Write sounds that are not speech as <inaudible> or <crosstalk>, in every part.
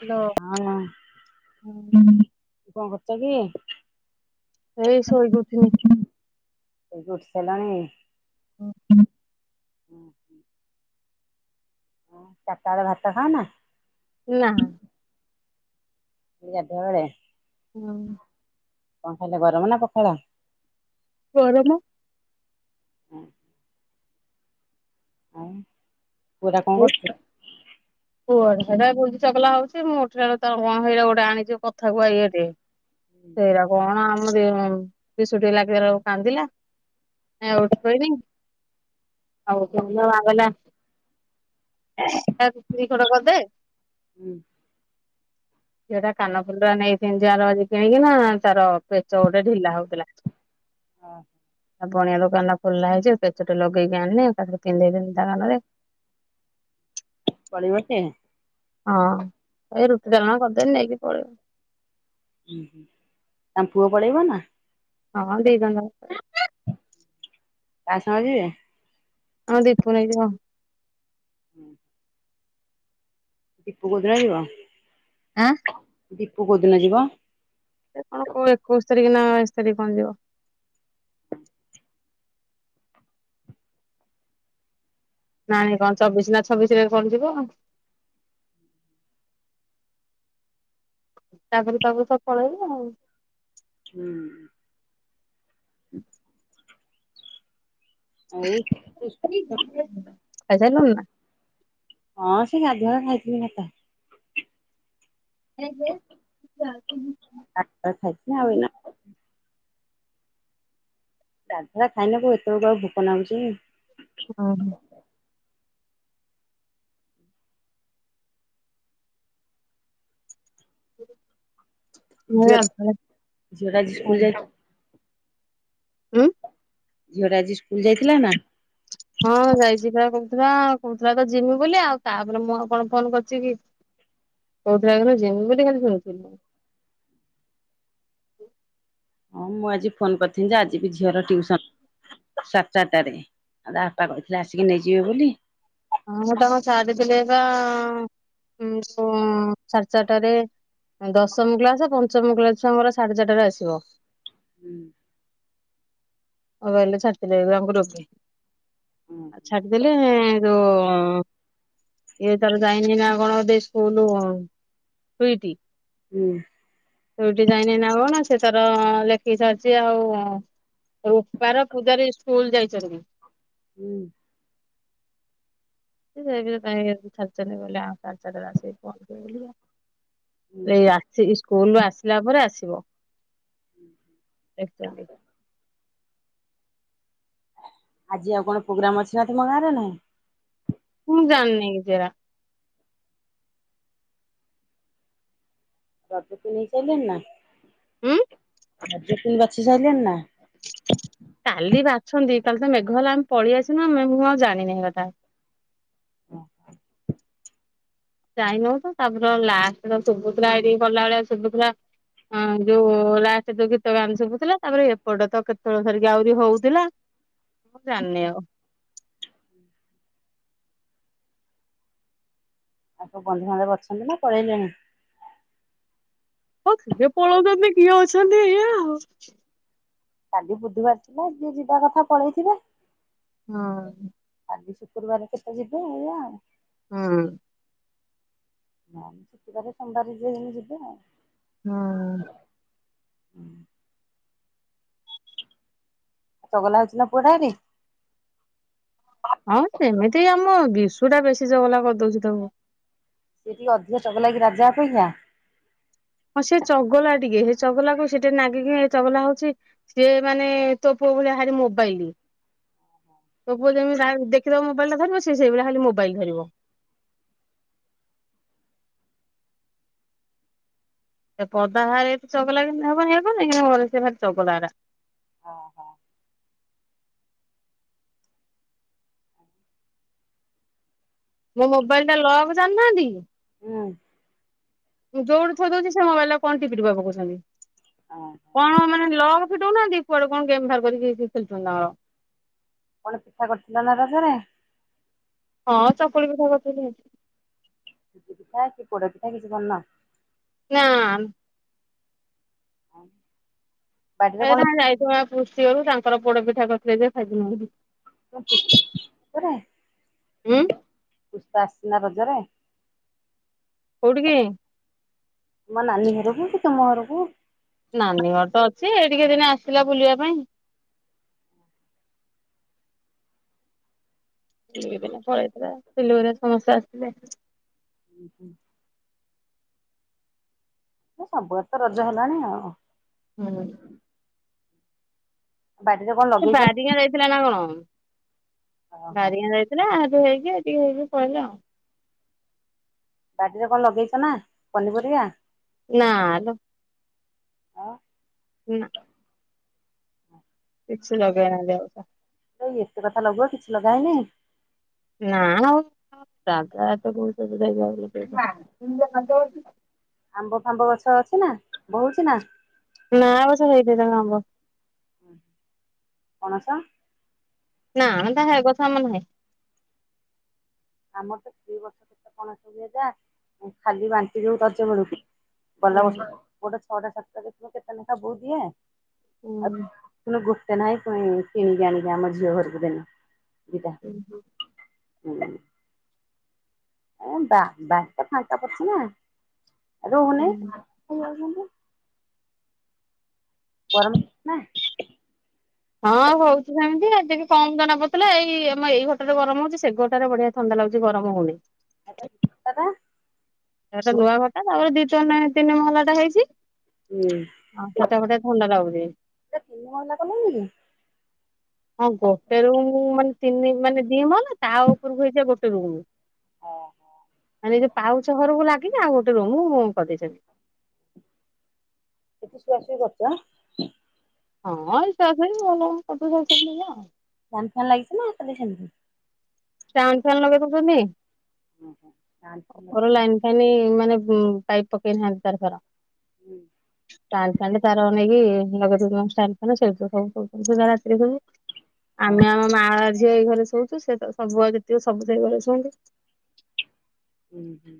Hello. ହଁ କଣ କରୁଛ କି? ଏଇ ଶୋଇଥିଲି। ସେ <unintelligible> ହୁଁ। ଚାରି ବେଳେ ଭାତ ଖାଅ ନା? ନା। <unintelligible> ହଁ। କଣ ଖାଇଲେ ଗରମ ନା ପଖାଳ? ଗରମ? ଆଉ <unintelligible> କୁଆଡେ ବୁଲି ଚଗଲା ହୋଉଚି ମୁଁ ଉଠିଲ <unintelligible> ସେଇଟା ଗୋଟେ ଆଣିଛିି କଥା <unintelligible> ସେଇରା କଣ ଆମ ଦେ <unintelligible> କାନ୍ଦିଲା <unintelligible> <unintelligible> <unintelligible> କରିଦେ ହୁଁ। ସେଟା କାନ ଫୁଲା ନେଇଥ ଯଆର ଆଜି କିଣିକି ନା ତାର ପେଚ ଗୋଟେ ଢିଲା ହୋଉଥିଲା। ବଣିଆ ଦୋକାନ ଖୋଲା ହେଇଚି ପେଚଟି ଲଗେଇକି ଆଣିଲେ <unintelligible> ପଳିବ କି ହଁ ଏଇ ରୁଟି ଡାଲମା କରିଦେନି ନେଇକି ପଳେଇବ। ଉୁଁ ହୁଁ ତାମ ପୁଅ ପଳେଇବ ନା। ହଁ ଦେଇଦ କା ସାଙ୍ଗେ ଯିବେ? ହଁ ଦୀପ <unintelligible> ହୁଁ। <unintelligible> ଆଁ। ଦୀପୁ କୋଉଦିନ ଯିବା? ସେ କଣ କ ଏକୋଇଶ ତାରିଖ ନା ବାଇଶରେ କଣ ଯିବ ନାଁ କଣ ଚବିଶ ନା ଛବିଶ ରେ କଣ ଯିବ। ତାପରୁ ତାପରୁ ସବୁ ପଳେଇଲେ ଆଉ। ହୁଁ। ଖାଇସାରିଲୁଣି ନା? <unintelligible> ହଁ ସେ ଗାଧୁଆ ଖାଇଥିଲି ମତ <unintelligible> ଆଠ <unintelligible> ଆଉ ଏଇନା। ଗାଧେଇବା <unintelligible> ଏତେବେଳକୁ ଆଉ ଭୋକ ନାଗୁଚି। ହଁ। ମୁଁ ଏଇ ଝିଅ ଗାଧୁଆବେଳେ ଝିଅଟା ଆଜି ସ୍କୁଲ ଯାଇ ହୁଁ। ଝିଅ ଟା ଆଜି ସ୍କୁଲ ଯାଇଥିଲା ନା? ହଁ ଯାଇଛି ବା କହୁଥିଲା। କହୁଥିଲା ତ ଯିମି ବୋଲି ଆଉ ତାପରେ ମୁଁ ଆଉ କଣ ଫୋନ କରିଛି କି? କହୁଥିଲା ଯିମି ବୋଲି ଖାଲି ଶୁଣିୁଥିଲୁ। ହଁ ମୁଁ ଆଜି ଫୋନ କରିଥିଲି ଯେ ଆଜି ବିି ଝିଅର ଟ୍ୟୁସନ ସାଢ଼େ ଚାରଟାରେ। ଆଉ ତା ବାପା କହିଥିଲେ ଆସିକି ନେଇଯିବେ ବୋଲି ହଁ ମୁଁ ତାଙ୍କ ଛାଡ଼ି ଥିଲି ତ ଯୋଉ ସାଢ଼େ ଚାରିଟାରେ ଦଶମ କ୍ଲାସ, ପଞ୍ଚମ କ୍ଲାସ ଛୁଆ ଆମର ସାଢ଼େ ଚାରିଟରେ ଆସିବ। ହୁଁ। <unintelligible> ଆ ଛାଡି ଦେଲେ ଯୋ ଇଏ ତାର ଯାଇନି ନା କଣ ବୋଧେ ସ୍କୁଲୁ ସୁଇଟି। ହୁଁ। ସୁଇଟି ଯାଇନି ନା କଣ, ସେ ତାର ଲେଖିକି ଛାଡ଼ିଛି ଆଉ ରୁପାର, ପୂଜା ରେ ସ୍କୁଲ ଯାଇଛନ୍ତି। ହୁଁ। <unintelligible> ସାଢ଼େ ଚାରିଟାରେ ଆସିକି ପହଞ୍ଚିବ ବୋଲିକା। ସେ ଆସିକି ସ୍କୁଲରୁ ଆସିଲା ପରେ ଆସିବ। ଏକ୍ଟୁଆଲି। ଆଜି ଆଉ କଣ ପ୍ରୋଗ୍ରାମ ଅଛି ନା ତମ ଗାଁରେ ନାହିଁ? ମୁଁ ଜାଣିନି କିଛି ଏରା। <unintelligible> ନେଇ ସାଇଲେଣି ନା? ହୁଁ? <unintelligible> ବାଛିି ସାଇଲେଣି ନା? କାଲି ବାଛନ୍ତି। କାଲି ତ ମେଘ ହେଲା ଆମେ ପଳେଇଆସିଲୁ ମୁଁ ଆଉ ଜାଣିନି ସେ କଥା। ଓହୋଃ। ଯାଇନୋଉ ତ ତାପରେ ଲାଷ୍ଟ ତ ଶୁଭୁ ଏଇଠି ଗଲାବେଳେ ଶୁଭୁ ଥିଲା ହଁ ଯୋଉ ଲାଷ୍ଟରେ ଯୋଉ ଗୀତ ଗାନ ଶୁଭୁଥିଲା। ତାପରେ ଏପଟେ ତ କେତେବେଳେ ସରିକି ଆହୁରି ହଉଥିଲା। ମୁଁ ଜାଣିନି ଆଉ। ଆଉ କୋଉ ବନ୍ଧୁବାନ୍ଧବ ଅଛନ୍ତି ନା ପଳେଇଲେଣି? ହଁ କିଏ ପଳଉଛନ୍ତି, କିଏ ଅଛନ୍ତି ଏଇଆ ଆଉ। କାଲି ବୁଧବାର ଥିଲା ଯିଏ ଯିବା କଥା ପଳେଇଥିବେ। ହଁ। କାଲି ଶୁକ୍ରବାର କେତେ ଯିବେ ଏଇଆ ଆଉ। ହୁଁ। ନା ଛୁଟିବାରେ ସୋମବାରେ ଯିଏ ଯେମିତି ଯିବେ ଆଉ। ହଁ। ହୁଁ। ଚଗଲା ହଉଚି ନା ପୁଅ ଟା ହେଠି? ହଁ ସେମିତି ଆମ ବିଶୁ ଟା ବେଶୀ ଚଗଲା କରିଦଉଚି ତାକୁ। ସେ ଟିକେ ଅଧିକ ଚଗଲା କି ରାଜା ଅପେକ୍ଷା? ହଁ ସେ ଚଗଲା ଟିକେ। ସେ ଚଗଲା କୁ ସିଏ ଟିକେ ନାଗି ଦେଲେ ଇଏ ଚଗଲା ହଉଛି। ସିଏ ମାନେ ତୋ ପୁଅ ଭଳିଆ ଭାରି ମୋବାଇଲ। ତୁ ପୁଅ ଯେମିତି ସାଙ୍ଗ ଦେଖିଦବ ମୋବାଇଲ ଟା ଧରିବ ସେ ସେଇଭଳି ଖାଲି ମୋବାଇଲ ଧରିବ। ସେ ପଦା ଭାରେ ଚଗଲା ବେଶି ହବନି <unintelligible> ସେ ଭାରି ଚଗଲା ଟା। ହଁ, ହଁ। ମୋ ମୋବାଇଲ ଟା ଲକ୍ ଜାଣିନାହାନ୍ତି ହୁଁ ଯୋଉଠି ଥୋଇ ଦଉଛି ସେ ମୋବାଇଲ କଣ ଟିପି ଟୁପା ପକଉଛନ୍ତି। ହଁ। କଣ ମାନେ ଲକ୍ ଫିଟଉନାହାନ୍ତି, କୁଆଡ଼େ କଣ ଗେମ୍ ବାହାର କରିକି ଖେଳୁଛନ୍ତି ତାଙ୍କର। <unintelligible> ପିଠା କରିଥିଲ ନା ରଜରେ? ହଁ ଚକୁଳି ପିଠା କରିଥିଲି। କାହିଁକି ପୋଡ ପିଠା କିଛି କରିନା? ନାଁ। ହ। ଏ ତାଙ୍କର ଯାଇଥିଲେ ପୁଷ୍ଟି ଘରୁକୁ ତାଙ୍କର ପୋଡ ପିଠା କରିଥିଲେ ଯେ ଖାଇଥିନୁ। <unintelligible> ଉଁ? ପୁଷ୍ପା ଆସିଥିଲା ରଜରେ? କୋଉଠିକି? ମୋ ନାନୀ ଘରକୁ କି ତୁମ ଘରକୁ? ନାନୀ ଘରେ ତ ଅଛି ଏଇଠିକି ଦିନେ ଆସିଥିଲା ବୁଲିବା ପାଇଁ। <unintelligible> ସମସ୍ତେ ଆସିଥିଲେ। ଉଁ ହୁଁ। ଏ ସବୁଆଡେ ତ ରଜ ହେଲାଣି ଆଉ। ହୁଁ। ବାଡ଼ିରେ କଣ ସେ ଲଗେଇଛ ବାରିଙ୍ଗା ଯାଇଥିଲା ନା କଣ ଓହୋ ବାରିଙ୍ଗା ଯାଇ ଥିଲା ହେଟି ହେଇକି ଏଠି ହେଇକି ପଳେଇଲା ଆଉ। ବାଡିରେ କଣ ଲଗେଇଚ ନା ପନିପରିବା? ନାଁ ଲୋ। ଆଉ ନାଁ। କିଛି ଲଗେଇ ନାହାନ୍ତି ଆଉ ଅପା। ଆଉ ଏତେ କଥା ଲଗ କିଛି ଲଗା ହେଇନି। ନା ଜାଗା ଏତେ କୋଉଠି <unintelligible> ଆମ୍ବ ଫାମ୍ବ ଗଛ ଅଛି ନା ଆମ୍ବ ହୋଉଚି ନା? ନାଁ ଏ ବର୍ଷ <unintelligible> ଆମ୍ବ। ପଣସ? ନାଁ ତ ହେ ଗଛ ଆମର ନାହିଁ। ଆମର ତ ଦୁଇ ବର୍ଷ କେତେ କଣ ସବୁହେଲା ଖାଲି ବାଣ୍ଟି ଦଉ ରଜ ବେଳୁକୁ ଗଲା ହୁଁ ବର୍ଷ ଗୋଟେ ଛଅଟା ସାତଟା ଦେଖିବ କେତେ ନେଖା ବୋଉ ଦିଏ ଆଉ ହୁଁ। ପୁଣି ଗୋଟେ ନାହିଁ ପୁଣି କିଣିକି ଆଣିକି ଆମ ଝିଅ ଘରକୁ ଦେନି ଦିଟା। ହୁଁ। ଏ ବା ବାଡିଟା ଫାଙ୍କା ପଡିଚି ନା ରହୁନି ହୁଁ। ଖାଇଯାଉଚନ୍ତି। ଗରମ <unintelligible> ନା। ହଁ ହଉଚି ସେମିତି ଆଜି ଟିକେ କମ ଜଣା ପଡ଼ୁଥିଲା ଏଇ ଆମ ଏଇ ଘରଟାରେ ଗରମ ହଉଚି ସେ ଘରଟାରେ ବଢିଆ ଥଣ୍ଡା ଲାଗୁଚି ଗରମ ହଉନି। <unintelligible> ହେଟା ତ ନୂଆ ଘରଟା ତାପରେ ଦି ତିନି ତିନି ମହଲା ଟା ହେଇଚି। ପୁରା ଆଉ ସେଟା ବଢିଆ ଥଣ୍ଡା ଲାଗୁଚି। ସେଟା ତିନି ମହଲା କଲଣିକି? ହଁ କୁହ ସେ ରୁମ୍ ମାନେ ତିନି ମାନେ ଦି ମହଲା ତା ଉପରକୁ ହେଇଚି ଗୋଟେ ରୁମ୍। ମାନେ ଜୋଉ ପାଉଚ ଘରକୁ ଲାଗିଲେ ଆଉ ଗୋଟେ ରୁମ ରୁମ କରିଦେଇଚନ୍ତି। ସେଠି ଶୁଆ ସୁଇ କରିଚ ଆଁ? ହଁ ଏଇ ଶୁଆ ସୁଇ ଭଲ <unintelligible> ଫ୍ୟାନ୍ ଫ୍ୟାନ୍ ଲାଗିଚି ନା ଖାଲି ସେମିତି? ଫ୍ୟାନ୍ ଫ୍ୟାନ୍ ଲଗେଇ <unintelligible> <unintelligible> ଉପର ଲାଇନ୍ ଫାଇନ୍ ମାନେ ମ୍ ପାଇପ୍ ପକେଇ ନାହାନ୍ତି ତାର ଫାର। ଷ୍ଟାଣ୍ଡ ଫ୍ୟାନ ତାର ନେଇକି ଲଗେଇ ଦଉଚୁ ଷ୍ଟାଣ୍ଡ ଫ୍ୟାନ୍ ସେଇଠି ତ ସବୁ ଶୋଉଚନ୍ତି ସୁଧା ରାତିରେ ସବୁ। ଆମେ ଆମ ମା ଝିଅ ଏଇ ଘରେ ଶୋଉଛୁ। ସେତ ସବୁଆଡେ ଥିବ ସବୁ ସେଇ ଘରେ ଶୁଅନ୍ତି। ଉଁ ହୁଁ।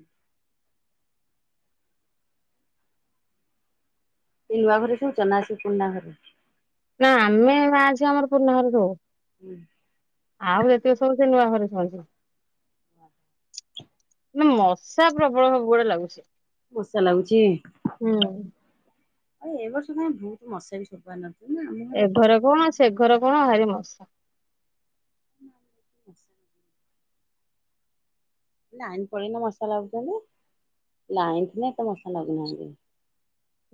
ଏଇ ନୂଆ ଘରେ ଶୋଉଛ ନା ସେ ପୁରୁଣା ଘରେ? ନା ଆମେ ମାଆ ଝିଅ ଆମର ପୁରୁଣା ଘରେ ଶୋଉ। ଆଉ ଯେତକ ସବୁ ସେ ନୂଆ ଘରେ ଶୁଅନ୍ତି। ନା ମଶା ପ୍ରବଳ ସବୁବେଳେ ଲାଗୁଛି। ମଶା ଲାଗୁଛି? ହୁଁ ଆଉ ଏ ବର୍ଷ କାଇଁ ବହୁତ ମଶା ବି ସପନ ଏ ଘରେ କଣ ସେ ଘରେ କଣ ଭାରି ମଶା। <inaudible> ଲାଇନ୍ ପଳେଇଲେ ମଶା ଲାଗୁଛନ୍ତି। ଲାଇନ୍ ଥିଲେ ଏତେ ମଶା ଲାଗୁନାହାନ୍ତି।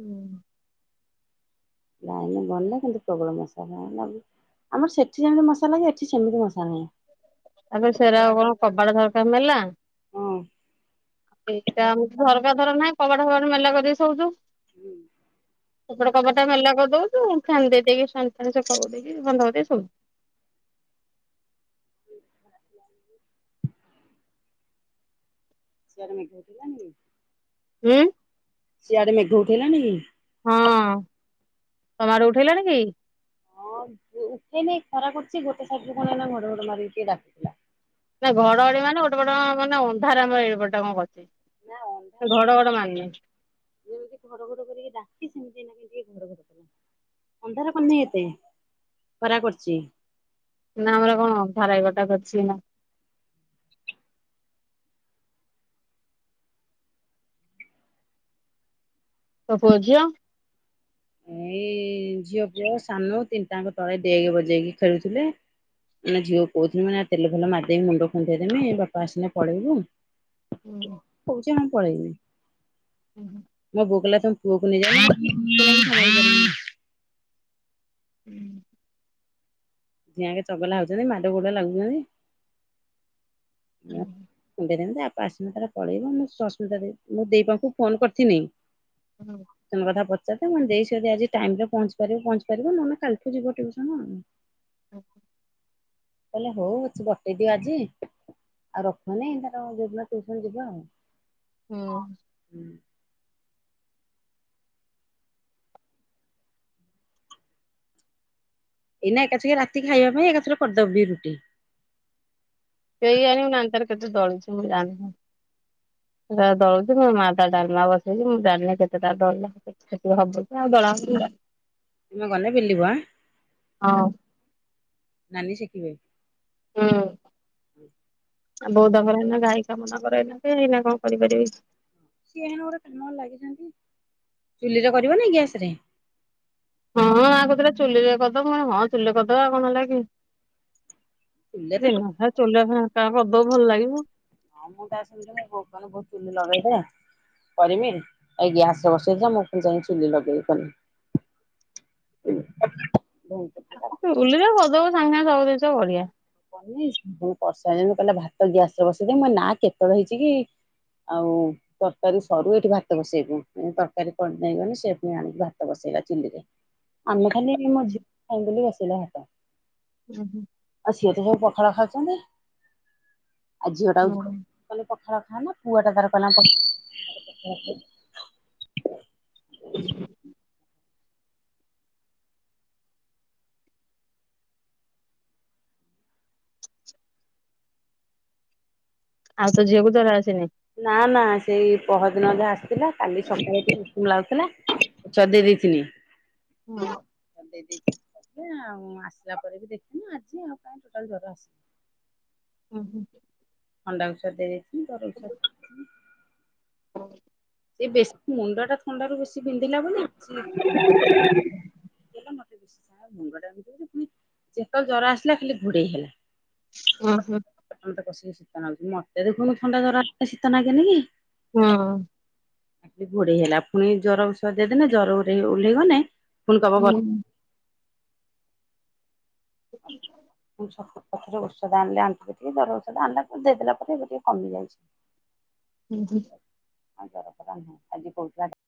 ହୁଁ। ଲାଇନ୍ ଗନେ ଖାଲି ପ୍ରବଳ ମଶା ନହେନେ ନାହିଁ। ଆମର ସେଠି ଯେମିତି ମଶା ଲାଗେ, ଏଠି ସେମିତି ମଶା ନାହିଁ। ତାପରେ ସେରା ଆଉ କଣ କବାଟ ଝରକା ମେଲା। ହଁ ଏଇଟା ଆମ ଝରକା ଧର ନାହିଁ କବାଡ ଫବାଡ ମେଲା କରିଦେଇିକି ସଉଛୁ। ସେପଟ କବାଟା ମେଲା କରିଦଉଛୁ? ଫ୍ୟାନ୍ ଦେଇ ଦେଇକି <unintelligible> ସିଆଡେ ମେଘ ହେଲାଣି? ଉଁ। ସିଆଡେ ମେଘ ଉଠେଇଲାଣି କି? ହଁ, ତମ ଆଡେ ଉଠେଇଲାଣି କି? ଉଁ ଉଠେଇନ୍ ଖରା କରୁଛି। ଗୋଟେ ସାଇଟରୁ ଏଇନା ଘଡ ଘଡ ମାରିକି ଡାକୁଥିଲା। ନାଇଁ ଘଡଘଡି ମାନେଗୋଟେପଟ ମାନେ ଅନ୍ଧାର ଆମର ଏଇପଟେ କଣ କରିଛି। ନା ଅନ୍ଧାର ସେ ଘଡଘଡ ମାରିନି। ଯେମିତି ଘଡ଼ଘଡ଼ କରିକି ଡାକିଛି <unintelligible> ଘଢଘଢ କଲା ଅନ୍ଧାର କରିନି ଏତେ ଖରା କରିଛି। ନା ଆମର କଣ ଆଧାର ଏପଟା କରିଛି ଏଇନା। ତୋ ପୁଅ ଝିଅ? ଏଇ ଝିଅ ପୁଅ ସାନ ତିନଟାଙ୍କ ତଳେ ଡେଗ୍ ବଜେଇକି ଖେଳୁଥିଲେ? ଏଇନା ଝିଅ କହୁଥିନି ଏଇନା ତେଲ ଫେଲ ମାରିଦକି ମୁଣ୍ଡ କଣ୍ଢେଇ ଦେମି ବାପା ଆସିଲେ ପଳେଇବୁ। ହୁଁ କହୁଛି ମୁଁ ପଳେଇମି। ଉଁ ହୁଁ ମଁ ବୋଉ କହିଲା ତମ ପୁଅକୁ ନେଇ ଯା <inaudible> ହୁଁ ଦିହାଙ୍କ ଚଗଲା ହଉଛନ୍ତି ମାଡ ଗୋଡ ଲାଗୁଛନ୍ତି। ମୁଁ କୁଡେଇ ଥାନ୍ତି ଯେ ତା ବାପା ଆସିଲେ ତାର ପଳେଇବ ମୁଁ ସସ୍ମିତା ଦେଇ ମୁଁ ଦେଇ ପାଖଙ୍କୁ ଫୋନ କରିଥିନି। <inaudible> ସେଦିନ କଥା ପଚାରିଥିଲି ମୁଁ କହିଲି ଦେଇିି ଆଜି ଟାଇମ ରେ ପହଞ୍ଚି ପାରିବ ପହଞ୍ଚି ପାରିବ ନହେଲେ କାଲିଠୁ ଯିବ ଟିଉସନ। <inaudible> କହିଲା ହଉ ଅଛି ବଟେଇ ଦିଅ ଆଜି ଆଉ ରଖନେଇ ତାର ଯଉଦିନ ଯିବା ଆଉ। ହୁଁ ହୁଁ ଏଇନା ଏକାଛେକେ ରାତି ଖାଇବା ପାଇଁ ଏକାଛଥରେ କରିଦବ ବି ରୁଟି। <unintelligible> ଦଳୁଛି ମୁଁ ଜ ସେ ତାର ଦଳୁଛି ମୋ ମା ତା ଡାଲମା ବସେଇଛି ମୁ ଡାଲମା କେତେଟା ଦଳିଲା <unintelligible> ତମେ ଗଲେ ବୁଲିବ ଆଁ ହଁ ନାନି ଶିଖିବେ। ହୁଁ ହୁଁ ଆଉ ବୋଉ ତାଙ୍କର ଏଇନା ଗାଇ କାମ ତାଙ୍କର ଏଇନେ କେ ଏଇନେ କଣ କରିପାରିବେକି। ଚୁଲିରେ କରିବ ନା ଗ୍ୟାସ ରେ ହଁ ଆ କହୁଥିଲେ ଚୁଲିରେ କରିଦବ ହଁ ଚୁଲିରେ କରିଦବା ଆଉ କଣ ହେଲାଗି। ଚୁଲିରେ ତ ଦିନ ସାରା ଚୁଲିରେ <unintelligible> କରିଦବ ଭଲ ଲାଗିବ। ହଉ ମୁଁ ତ ଆସିଲିଣି <unintelligible> ବଉ ଚୁଲି ଲଗେଇଦେ। କରିମି ଏଇ ଗ୍ୟାସରେ ବସେଇଥିଲା ମୁଁ ପଣି ଯାଇ ଚୁଲି ଲଗେଇ କଲି। <inaudible> ଚୁଲିରେ କର ଦବ ସାଙ୍ଗେ ସାଙ୍ଗେ ସବୁ ଜିନିଷ ବଢିଆ। <unintelligible> କିହିଲା ଭାତ ଗ୍ୟାସ ରେ ବସେଇଦି ମୋ ନାଁ କେତେବେଳ ହେଇଛି କି। ଆଉ ତରକାରୀ ସରୁ ଏଠି ଭାତ ବସେଇବୁ ତରକାରୀ କରିଦେଇ ଗଲି ସେ ଆଣିକି ଭାତ ବସେଇବ ଚୁଲିରେ ଆମେ ଖାଲି ମଁ ଝିଅ ଖାଇ ବୋଲି ବସେଇଲୁ ଭାତ ଉଁ ହୁଁ ଆଉ ସିଏ ତ ସବୁ ପଖାଳ ଖାଉଛନ୍ତି ଆଉ ଝିଅ ଟା ହୁଁ। ହଉ କହିଲି ପଖାଳ ଖାନା ପୁଅ ଟା ତାର କହିଲା ପ ଆଉ ତ ଝିଅକୁ ଜର ଆସିନି? ନା ନା ସେଇ ପହରଦିନ ଯାହା ଆସିଥିଲା କାଲି ସକାଳେ ଉଷୁମ ଲାଗୁଥିଲା। ଚଦି ଦେଇଥିଲି। ହଁ, ଦେ ଦେଇ ଆଉ ଆସିଲା ପରେ ବି ଦେଖିନି ଆଜି ଆଉ କାଇଁ ଟୋଟାଲ ଜର ଆସି ହଁ, ହଁ। ଥଣ୍ଡା ଔଷଧ ଦେଇ ଥିଲି ଜର ଔଷଧ ହୁ ସେ ବେଶୀ ମୁଣ୍ଡ ଟା ଥଣ୍ଡା ରୁ ବେଶୀ ବିନ୍ଧିଲା ବୋଲି ସେ ଏଟା ମୋତେ ବେଶୀ ଯେତବେଳେ ଜ୍ୱର ଆସିଲା ଖାଲି ଘୋଡେଇ ହେଲା। ଓହୋ ମତେ ଦେଖୁନୁ ଥଣ୍ଡା ଜର ଆସିଲେ ଶୀତ ଲାଗେନ ଗି। ହ। ଘୋଡେଇ ହେଲା ପୁଣି ଜର ଓଷଦ ଦେଇଦେଲେ ଜ୍ୱର ଓଲ୍ହେ ଓଲ୍ହେଇ ଗଲେ ପୁଣି ହୁଁ, କହିବ ହୁଁ, ଛୁ ପଛରେ ଔଷଧ ଆଣିଲେ ଆଣିବେ ଟିକେଏ ଜର ଔଷଧ ଆଣିଲା ପରେ ଦେଇଦେଲା ପରେ ଏବେ ଟିକେ କମିଯାଇଛି। ହୁଁ ହୁଁ। ହଁ ଜର ଫର ଆଣିନି ଆଜି କହୁଥିଲା ଯେ